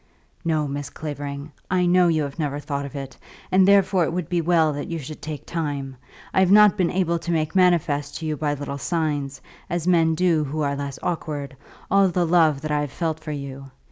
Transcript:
"No, Miss Clavering; I know you have never thought of it, and therefore it would be well that you should take time. I have not been able to make manifest to you by little signs, as men do who are less awkward, all the love that I have felt for you.